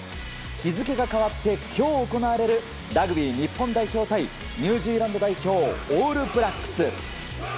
日付が変わって今日、行われるラグビー日本代表対ニュージーランド代表オールブラックス。